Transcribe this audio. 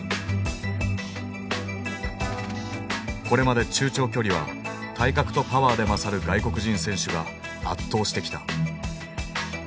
これまで中長距離は体格とパワーで勝る外国人選手が圧倒してきた。